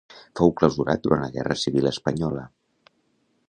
Fou clausurat durant la guerra civil espanyola.